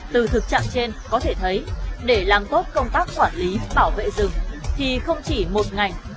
từ thực trạng trên có thể thấy để làm tốt công tác quản lý bảo vệ rừng thì không chỉ một ngành